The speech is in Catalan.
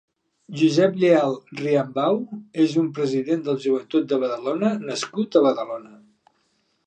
Josep Lleal Riambau és un president del Joventut de Badalona nascut a Badalona.